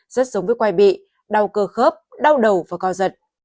rất giống với quay bị đau cơ khớp đau đầu và co giật